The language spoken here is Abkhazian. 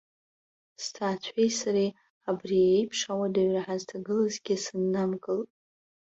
Сҭаацәеи сареи абри еиԥш ауадаҩра ҳазҭагылазгьы сыннамкылт.